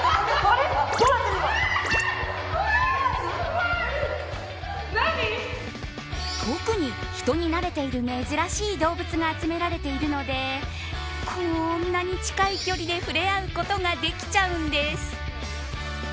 特に、人に慣れている珍しい動物が集められているのでこんなに近い距離で触れ合うことができちゃうんです。